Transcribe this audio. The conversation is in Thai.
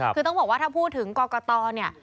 คือต้องบอกว่าถ้าพูดถึงกรกตเนี่ย